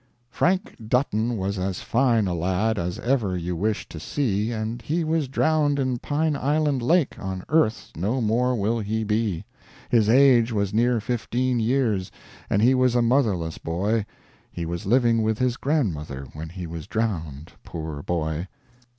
"Frank Dutton was as fine a lad As ever you wish to see, And he was drowned in Pine Island Lake On earth no more will he be, His age was near fifteen years, And he was a motherless boy, He was living with his grandmother When he was drowned, poor boy."